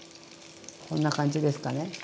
こんな感じですかね